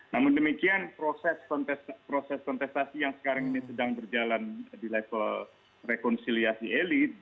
namun demikian proses kontestasi yang sekarang ini sedang berjalan di level rekonsiliasi elit